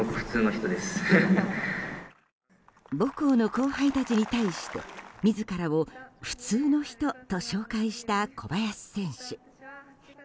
母校の後輩たちに対して自らを普通の人と紹介した小林選手。